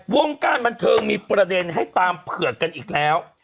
วงการบันเทิงมีประเด็นให้ตามเผือกกันอีกแล้ว